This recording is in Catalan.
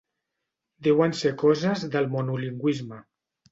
Deuen ser coses del monolingüisme.